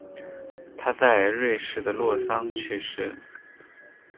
他在瑞士的洛桑去世。